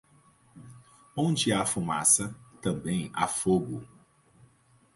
Onde há fumaça, também há fogo.